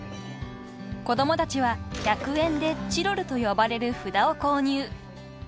［子供たちは１００円でチロルと呼ばれる札を購入］